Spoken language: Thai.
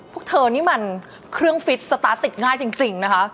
พวกเธอนี่มันเครื่องฟิตสตาร์ทติดง่ายจริงนะคะ